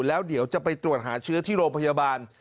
แล้วเดี๋ยวจะไปตรวจหาเชื้อที่โรงพยาบาล